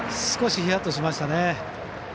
少しヒヤッとしましたね。